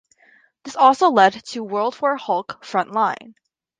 It also led to "World War Hulk: Front Line".